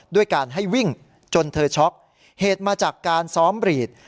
ด้วยการให้วิ่งจนเธอช็อกเหตุมาจากการซ้อมบรีด